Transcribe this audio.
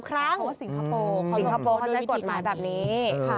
เพราะว่าสิงคโปร์เขาได้กดมาแบบนี้